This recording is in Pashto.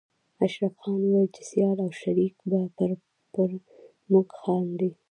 اشرف خان ويل چې سيال او شريک به پر موږ خاندي